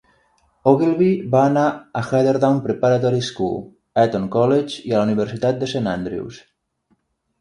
Ogilvy va anar a Heatherdown Preparatory School, Eton College i a la Universitat de Saint Andrews.